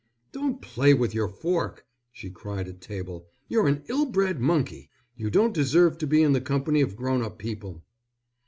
"Don't play with your fork," she cried at table. "You're an ill bred monkey. You don't deserve to be in the company of grown up people."